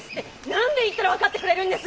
何べん言ったら分かってくれるんです！